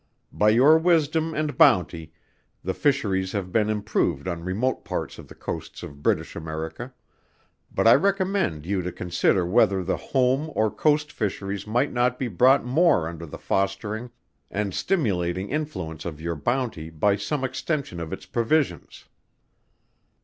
By your wisdom and bounty the Fisheries have been improved on remote parts of the coasts of British America; but I recommend you to consider whether the Home or Coast Fisheries might not be brought more under the fostering and stimulating influence of your bounty by some extension of its provisions.